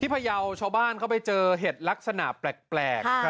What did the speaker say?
พยาวชาวบ้านเขาไปเจอเห็ดลักษณะแปลก